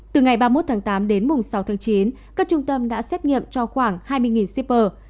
từ ngày ba mươi một tháng tám đến mùng sáu tháng chín các trung tâm đã xét nghiệm cho khoảng hai mươi shipper